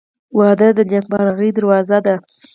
• واده د نیکمرغۍ دروازه ده.